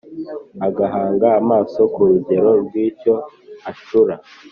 agahanga amaso ku rugero rw’icyo acura;